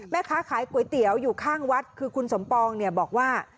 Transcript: แม่ค้าขายก๋วยเตี๋ยวอยู่ข้างวัดคือคุณสมปองเนี่ยบอกว่า